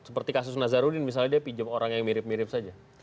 seperti kasus nazarudin misalnya dia pinjam orang yang mirip mirip saja